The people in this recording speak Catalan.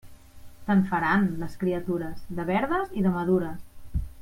Te'n faran, les criatures, de verdes i de madures.